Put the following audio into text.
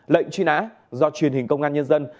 lệnh truy nã do truyền hình công an nhân dân